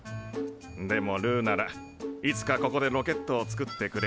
でもルーならいつかここでロケットを作ってくれる。